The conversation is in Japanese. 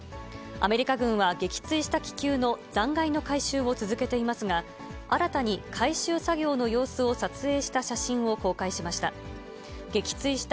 アメリカ軍は撃墜した気球の残骸の回収を続けていますが、新たに回収作業の様子を撮影した写真を公開しました。